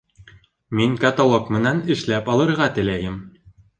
Мин каталог менән эшләп алырға теләйем